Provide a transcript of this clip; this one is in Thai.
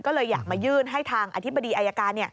ก็เลยอยากมายื่นให้ทางอธิบดีอายการ